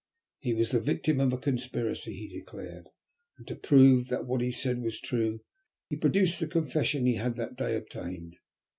He was the victim of a conspiracy, he declared, and to prove that what he said was true he produced the confession he had that day obtained.